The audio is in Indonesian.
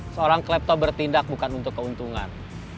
seorang klepto bertindak bukan untuk keuntungan